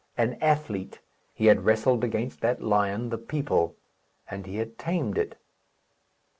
An athlete, he had wrestled against that lion, the people; and he had tamed it.